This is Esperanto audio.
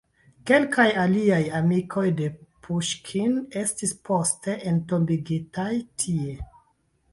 Kelkaj aliaj amikoj de Puŝkin estis poste entombigitaj tie.